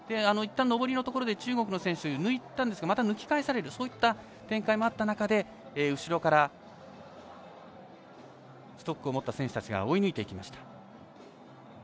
いったん上りのところで中国の選手を抜いたんですがまた、抜き返されるという展開もあった中で、後ろからストックを持った選手たちが追い抜いていきました。